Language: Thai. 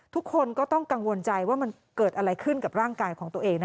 ทุกคนก็ต้องกังวลใจว่ามันเกิดอะไรขึ้นกับร่างกายของตัวเองนะ